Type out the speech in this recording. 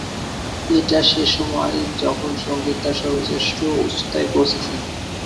এটা সে-সময় যখন সংগীত তার সর্বশ্রেষ্ঠ উচ্চতায় পৌঁছেছে।